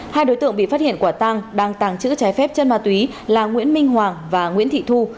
hai đối tượng bị phát hiện quả tăng đang tàng trữ trái phép chân ma túy là nguyễn minh hoàng và nguyễn thị thu